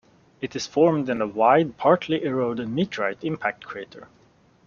It is formed in a wide, partly eroded meteorite impact crater.